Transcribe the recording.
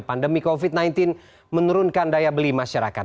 pandemi covid sembilan belas menurunkan daya beli masyarakat